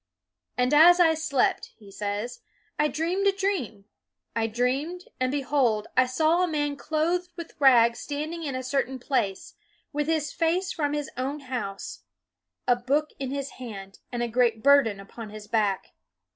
" And as I slept," he says, " I dreamed a dream. I dreamed, and behold, I saw a man clothed with rags standing in a certain place, with his face from his own house, a book in his hand, and a great burden upon his back.